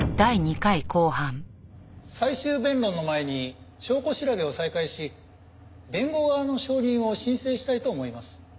最終弁論の前に証拠調べを再開し弁護側の証人を申請したいと思います。